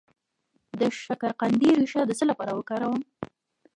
د شکرقندي ریښه د څه لپاره وکاروم؟